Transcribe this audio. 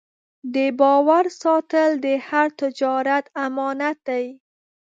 د باور ساتل د هر تجارت امانت دی.